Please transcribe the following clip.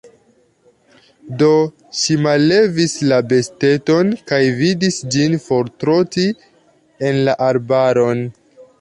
Do ŝi mallevis la besteton, kaj vidis ĝin fortroti en la arbaron.